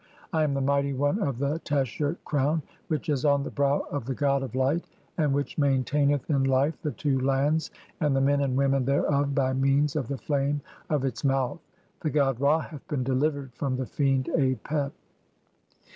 "I am the mighty one of the Teshert crown which is on the "brow of the god of Light, and which maintaineth in life the "two lands and the men and women thereof (5) by means of "the flame of its mouth. The god Ra hath been delivered from "the Fiend Apep."